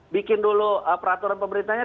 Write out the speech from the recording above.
bikin dulu peraturan pemerintahnya